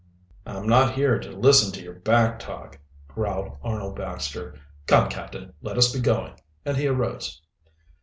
'" "I'm not here to listen to your back talk," growled Arnold Baxter. "Come, captain, let us be going," and he arose.